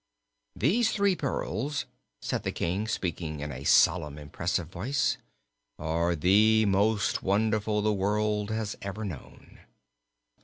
"These three pearls," said the King, speaking in a solemn, impressive voice, "are the most wonderful the world has ever known.